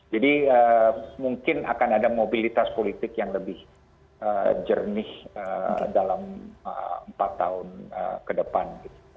jadi mungkin akan ada mobilitas politik yang lebih jernih dalam empat tahun ke depan